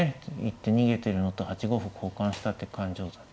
一手逃げてるのと８五歩交換したって勘定だ。